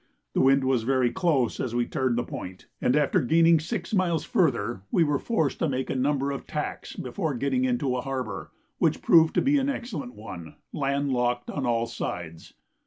The wind was very close as we turned the point; and after gaining six miles further, we were forced to make a number of tacks before getting into a harbour, which proved to be an excellent one, land locked on all sides.